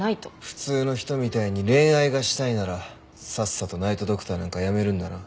普通の人みたいに恋愛がしたいならさっさとナイト・ドクターなんか辞めるんだな。